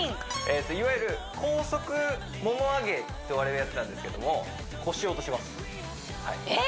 いわゆる高速モモ上げといわれるやつなんですけども腰を落としますはいえっ！